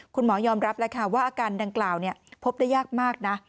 คุณหมอยอมรับแล้วค่ะว่าอาการดังกล่าวพบได้ยากมากนะ